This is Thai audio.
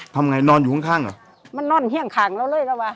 ทำไงนอนอยู่ข้างข้างเหรอมันนอนเฮียงข้างเราเลยแล้วว่ะ